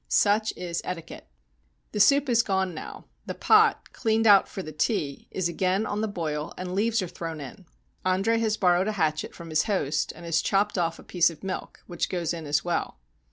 Such is etiquette. The soup is gone now; the pot, cleaned out for the tea, is again on the boil and leaves are thrown in. Andre has borrowed a hatchet from his host, and has chopped off a piece of milk, which goes in as well.